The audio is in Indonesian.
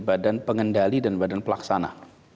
badan pengendali dan badan pelaksana